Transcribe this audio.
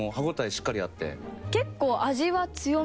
しっかりあって。